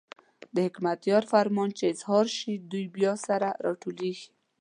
د حکمتیار فرمان چې اظهار شي، دوی بیا سره راټولېږي.